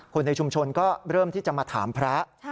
ในชุมชนก็เริ่มที่จะมาถามพระ